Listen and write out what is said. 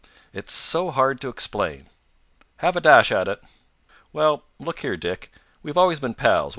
"It's so hard to explain." "Have a dash at it." "Well, look here, Dick, we've always been pals.